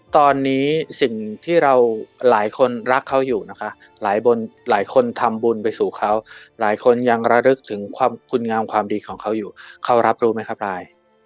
ตอนนี้สิ่งที่เราหลายคนรักเขาอยู่นะคะหลายคนทำบุญไปสู่เขาหลายคนยังระลึกถึงความคุณงามความดีของเขาอยู่เขารับรู้ไหมครับราย